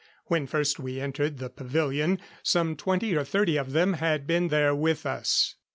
When first we entered the pavilion, some twenty or thirty of them had been there with us.